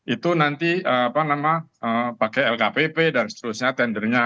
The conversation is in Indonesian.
itu nanti pakai lkpp dan seterusnya tendernya